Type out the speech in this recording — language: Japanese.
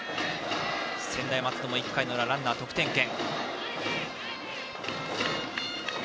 専大松戸も１回の裏ランナー得点圏。